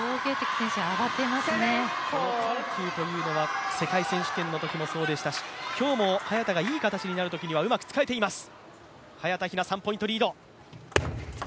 この緩急というのは世界選手権のときもそうでしたし、今日も早田がいい形になるときには、早田が使えています。